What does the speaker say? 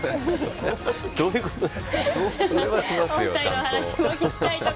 どういうこと？